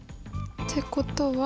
ってことは。